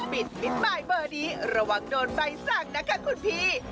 ปิดมิดไม้เมื่อดีระวังโดนไปสั่งนะคะคุณพี่